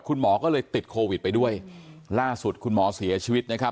คุณหมอก็เลยติดโควิดไปด้วยล่าสุดคุณหมอเสียชีวิตนะครับ